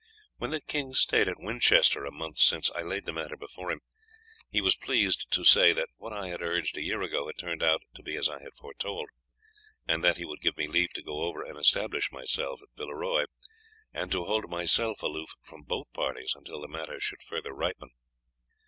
When the king stayed at Winchester, a month since, I laid the matter before him. He was pleased to say that what I had urged a year ago had turned out to be as I foretold, and that he would give me leave to go over and establish myself at Villeroy, and to hold myself aloof from both parties until the matter should further ripen.